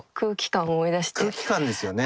空気感ですよね。